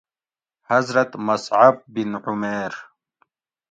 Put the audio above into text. حضرت مصعب بِن عمیر